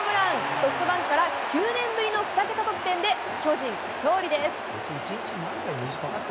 ソフトバンクから９年ぶりの２桁得点で巨人、勝利です。